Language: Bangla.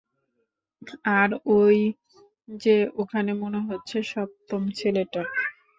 আর ওই যে ওখানে মনে হচ্ছে সপ্তম ছেলেটা।